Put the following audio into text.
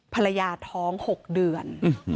ภรรยาท้อง๖เดือน